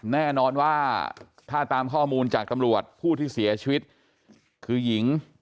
แน่นอนว่าถ้าตามข้อมูลจากตำรวจผู้ที่เสียชีวิตคือหญิง